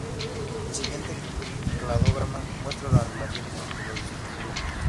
El siguiente cladograma muestras las relaciones entre los distintos grupos.